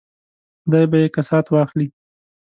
خدای به یې کسات واخلي.